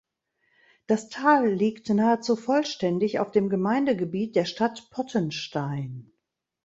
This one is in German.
Das Tal liegt nahezu vollständig auf dem Gemeindegebiet der Stadt Pottenstein.